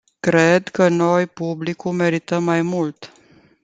Cred că noi, publicul, merităm mai mult.